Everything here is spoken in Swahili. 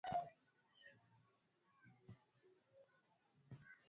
akini jina la Ruvuma linatumika hadi mdomoni